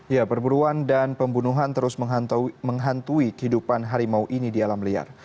ya perburuan dan pembunuhan terus menghantui kehidupan harimau ini di alam liar